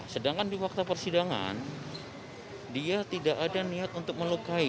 sedangkan di fakta persidangan dia tidak ada niat untuk melukai